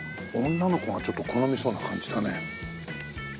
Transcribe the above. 女の子が好みそうな感じだね。